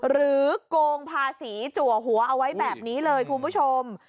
โกงภาษีจัวหัวเอาไว้แบบนี้เลยคุณผู้ชม